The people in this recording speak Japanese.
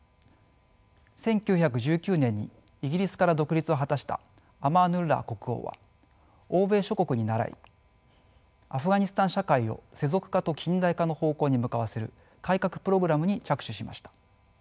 １９１９年にイギリスから独立を果たしたアマーヌッラー国王は欧米諸国にならいアフガニスタン社会を世俗化と近代化の方向に向かわせる改革プログラムに着手しました。